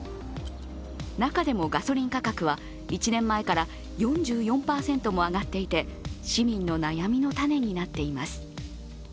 中でもガソリン価格は、１年前から４４％も上がっていて、市民の悩みの種になっています。